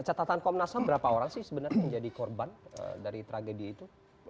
catatan komnas ham berapa orang sih sebenarnya menjadi korban dari tragedi itu